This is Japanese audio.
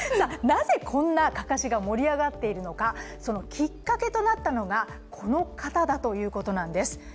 なぜこんなかかしが盛り上がっているのかそのきっかけになっているのがこの方だということなんです。